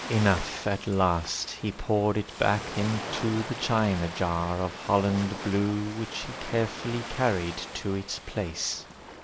Enough At last, he poured it back into The china jar of Holland blue, Which he carefully carried to its place.